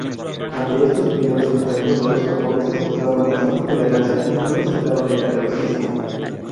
Ante estos primeros encuentros, los japoneses mostraron bastante tolerancia, incluso aceptando el catolicismo.